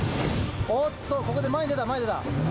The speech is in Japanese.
おっと、ここで前に出た、前出た。